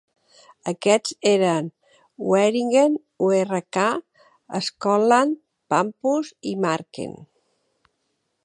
Aquests eren Wieringen, Urk, Schokland, Pampus i Marken.